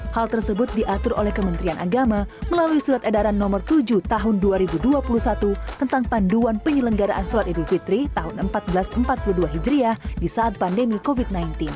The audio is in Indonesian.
hal tersebut diatur oleh kementerian agama melalui surat edaran no tujuh tahun dua ribu dua puluh satu tentang panduan penyelenggaraan sholat idul fitri tahun seribu empat ratus empat puluh dua hijriah di saat pandemi covid sembilan belas